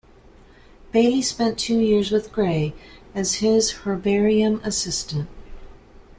Bailey spent two years with Gray as his herbarium assistant.